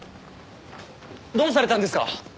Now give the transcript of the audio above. どうされたんですか？